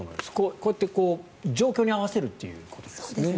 こうやって状況に合わせるということですね。